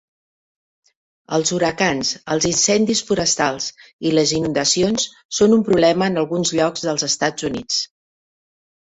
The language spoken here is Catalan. Els huracans, els incendis forestals i les inundacions són un problema en alguns llocs dels Estats Units.